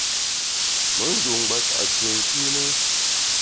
Me nju’ ngbasa’ ke nkîne ?